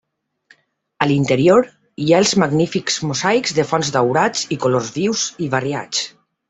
A l'interior, hi ha els magnífics mosaics de fons daurat i colors vius i variats.